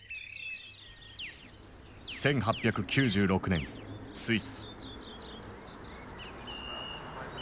１８９６年スイス。